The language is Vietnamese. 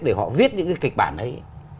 để họ viết những cái kịch bản ấy